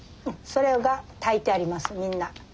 それが炊いてありますみんな。